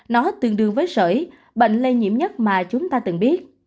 nó tương đương với sởi bệnh lây nhiễm nhất mà chúng ta từng biết